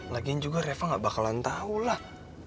lagian juga reva enggak bakalan tahulah